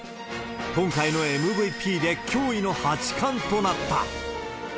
今回のＭＶＰで驚異の８冠となった。